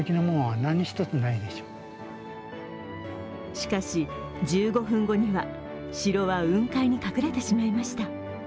しかし、１５分後には城は雲海に隠れてしまいました。